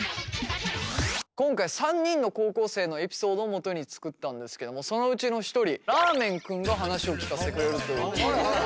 今回３人の高校生のエピソードをもとに作ったんですけどもそのうちの一人らーめん君が話を聞かせてくれるということで。